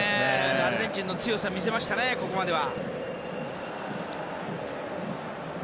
アルゼンチンの強さ見せましたね、ここまでは。